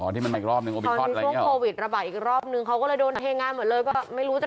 อ๋อที่มันอีกรอบนึงอโบลิทธิ์อะไรอย่างนี้เหรอ